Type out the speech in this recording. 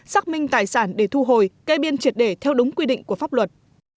xác minh tài sản để thu hồi kê biên triệt để theo đúng quy định của pháp luật